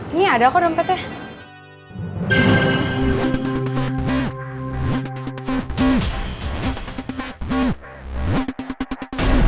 ini ada kok dompetnya